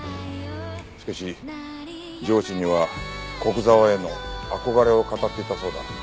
しかし上司には古久沢への憧れを語っていたそうだ。